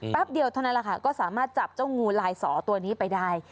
เดียวเท่านั้นแหละค่ะก็สามารถจับเจ้างูลายสอตัวนี้ไปได้